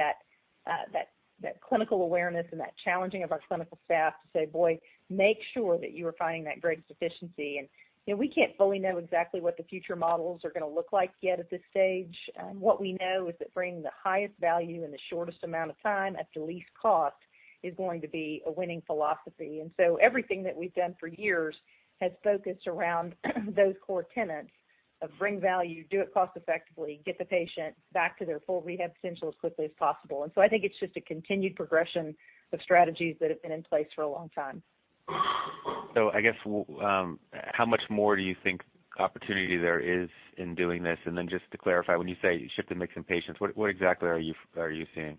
that clinical awareness and that challenging of our clinical staff to say, "Boy, make sure that you are finding that greatest efficiency." We can't fully know exactly what the future models are going to look like yet at this stage. What we know is that bringing the highest value in the shortest amount of time at the least cost is going to be a winning philosophy. Everything that we've done for years has focused around those core tenets of bring value, do it cost effectively, get the patient back to their full rehab potential as quickly as possible. I think it's just a continued progression of strategies that have been in place for a long time. I guess, how much more do you think opportunity there is in doing this? Just to clarify, when you say shift in mix in patients, what exactly are you seeing?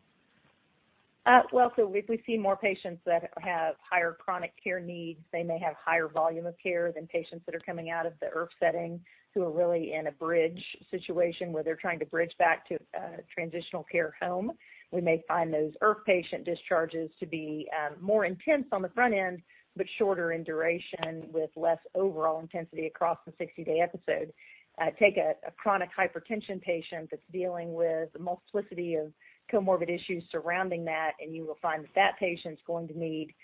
We see more patients that have higher chronic care needs. They may have higher volume of care than patients that are coming out of the IRF setting who are really in a bridge situation where they're trying to bridge back to a transitional care home. We may find those IRF patient discharges to be more intense on the front end, but shorter in duration with less overall intensity across the 60-day episode. Take a chronic hypertension patient that's dealing with a multiplicity of comorbid issues surrounding that, you will find that patient's going to need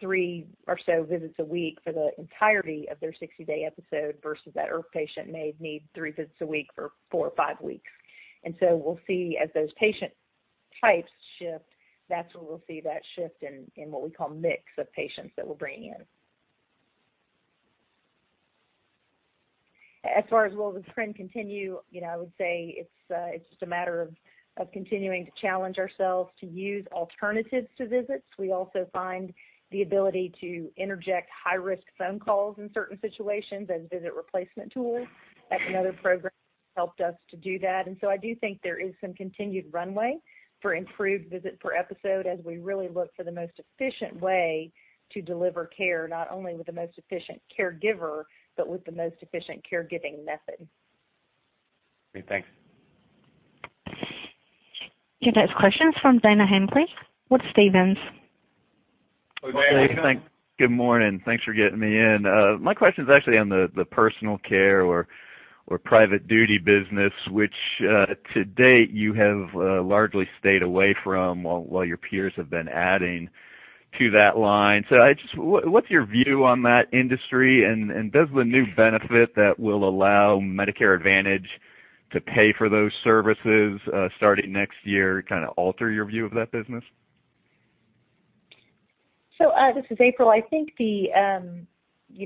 three or so visits a week for the entirety of their 60-day episode versus that IRF patient may need three visits a week for four or five weeks. We'll see as those patient types shift, that's where we'll see that shift in what we call mix of patients that we're bringing in. As far as will the trend continue, I would say it's just a matter of continuing to challenge ourselves to use alternatives to visits. We also find the ability to interject high-risk phone calls in certain situations as visit replacement tools. That's another program that's helped us to do that. I do think there is some continued runway for improved visit per episode as we really look for the most efficient way to deliver care, not only with the most efficient caregiver, but with the most efficient caregiving method. Great. Thanks. Your next question is from Dana Hambly with Stephens. Dana, hello. Good morning. Thanks for getting me in. My question is actually on the personal care or private duty business, which to date you have largely stayed away from while your peers have been adding to that line. What's your view on that industry, and does the new benefit that will allow Medicare Advantage to pay for those services starting next year kind of alter your view of that business? This is April. I think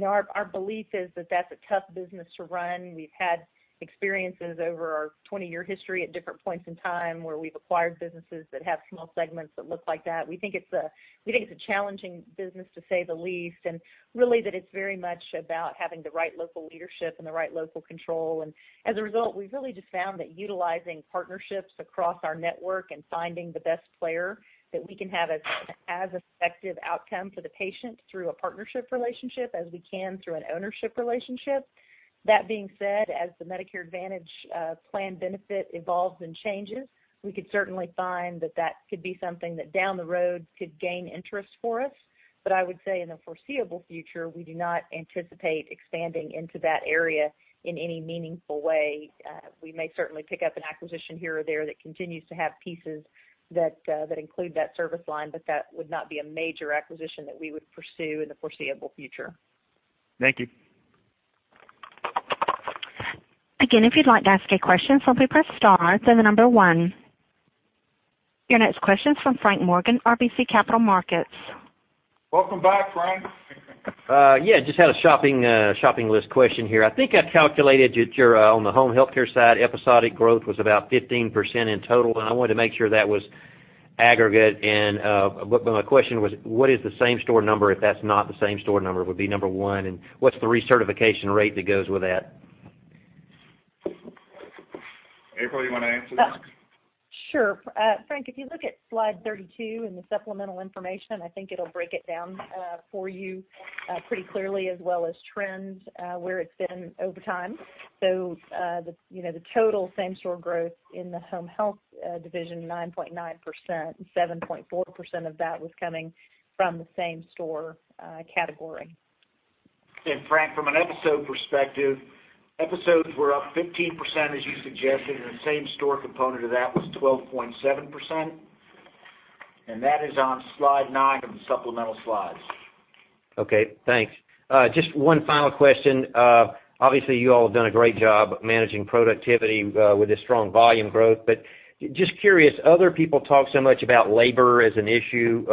our belief is that that's a tough business to run. We've had experiences over our 20-year history at different points in time where we've acquired businesses that have small segments that look like that. We think it's a challenging business, to say the least, and really that it's very much about having the right local leadership and the right local control. And as a result, we've really just found that utilizing partnerships across our network and finding the best player that we can have as effective outcome for the patient through a partnership relationship as we can through an ownership relationship. That being said, as the Medicare Advantage plan benefit evolves and changes, we could certainly find that that could be something that down the road could gain interest for us. I would say in the foreseeable future, we do not anticipate expanding into that area in any meaningful way. We may certainly pick up an acquisition here or there that continues to have pieces that include that service line, but that would not be a major acquisition that we would pursue in the foreseeable future. Thank you. Again, if you'd like to ask a question, simply press star, then the number one. Your next question is from Frank Morgan, RBC Capital Markets. Welcome back, Frank. Just had a shopping list question here. I've calculated that you're on the home health side, episodic growth was about 15% in total, I wanted to make sure that was aggregate. My question was, what is the same-store number if that's not the same-store number, would be number 1, what's the recertification rate that goes with that? April, you want to answer that? Sure. Frank, if you look at slide 32 in the supplemental information, I think it'll break it down for you pretty clearly, as well as trends, where it's been over time. The total same-store growth in the home health division, 9.9%, 7.4% of that was coming from the same-store category. Frank, from an episode perspective, episodes were up 15%, as you suggested, the same-store component of that was 12.7%, that is on slide nine of the supplemental slides. Okay, thanks. Just one final question. Obviously, you all have done a great job managing productivity with this strong volume growth. Just curious, other people talk so much about labor as an issue.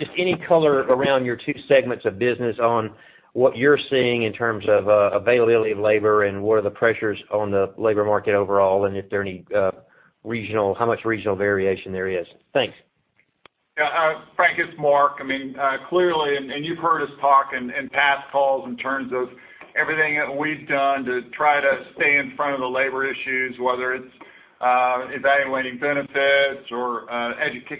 Just any color around your two segments of business on what you're seeing in terms of availability of labor and what are the pressures on the labor market overall, and how much regional variation there is. Thanks. Yeah. Frank, it's Mark. Clearly, you've heard us talk in past calls in terms of everything that we've done to try to stay in front of the labor issues, whether it's evaluating benefits or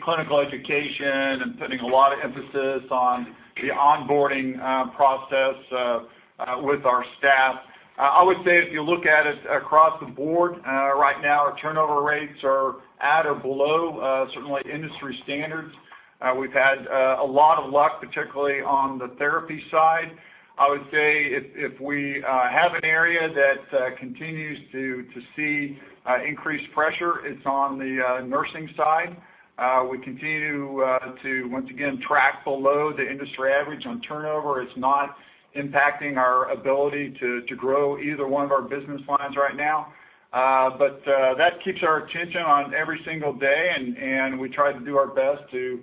clinical education and putting a lot of emphasis on the onboarding process with our staff. I would say if you look at it across the board right now, our turnover rates are at or below certainly industry standards. We've had a lot of luck, particularly on the therapy side. I would say if we have an area that continues to see increased pressure, it's on the nursing side. We continue to, once again, track below the industry average on turnover. It's not impacting our ability to grow either one of our business lines right now. That keeps our attention on every single day, and we try to do our best to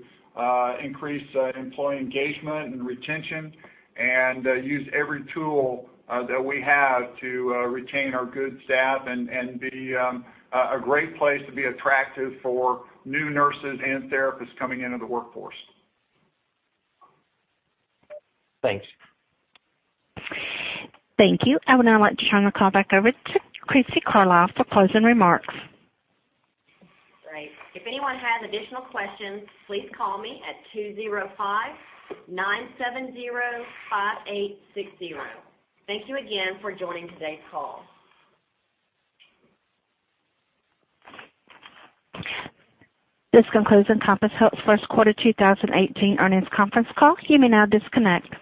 increase employee engagement and retention and use every tool that we have to retain our good staff and be a great place to be attractive for new nurses and therapists coming into the workforce. Thanks. Thank you. I would now like to turn the call back over to Crissy Carlisle for closing remarks. Great. If anyone has additional questions, please call me at 205-970-5860. Thank you again for joining today's call. This concludes Encompass Health first quarter 2018 earnings conference call. You may now disconnect.